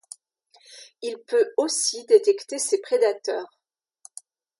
Il peut aussi détecter ses prédateurs.